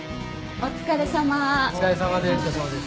お疲れさまです。